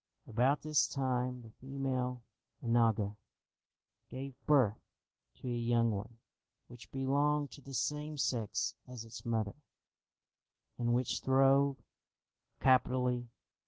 About this time the female onaga gave birth to a young one which belonged to the same sex as its mother, and which throve capitally.